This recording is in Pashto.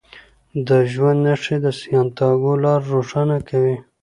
د ژوند نښې د سانتیاګو لار روښانه کوي.